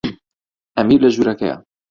ئەمیر لە ژوورەکەیە.